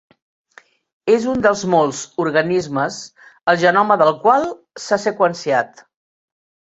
És un dels molts organismes el genoma del qual s'ha seqüenciat.